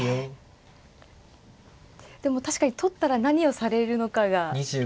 でも確かに取ったら何をされるのかが。